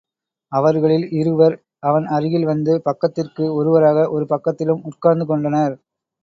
அவர்களில் இருவர் அவன் அருகில் வந்து பக்கத்திற்கு ஒருவராக ஒரு பக்கத்திலும் உட்கார்ந்து கொண்டனர்.